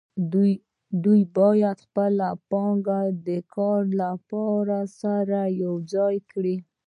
دوی باید خپله پانګه د کار لپاره سره یوځای کړي